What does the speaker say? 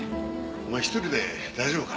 お前１人で大丈夫か？